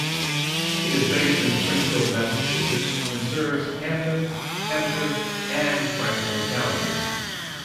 It is based in Springfield, Massachusetts and serves Hampden, Hampshire, and Franklin counties.